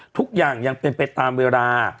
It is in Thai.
ทุกอย่างยังเป็นไปตามเวลา